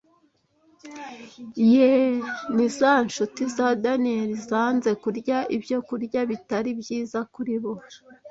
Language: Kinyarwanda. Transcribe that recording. Yee ni za ncuti za Daniyeli zanze kurya ibyokurya bitari byiza kuri bo